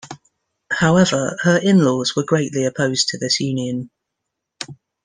However, her "In-Laws" were greatly opposed to this union.